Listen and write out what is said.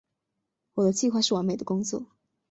我的计划是完美的工作。